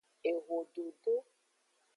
Ehododo.